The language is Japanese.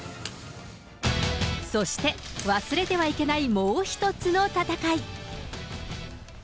そして、忘れてはいけない、もう一つの戦い。